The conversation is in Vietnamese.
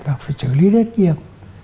và phải xử lý rất nhiều